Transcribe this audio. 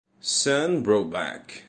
Sam Brownback.